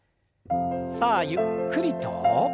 さあゆっくりと。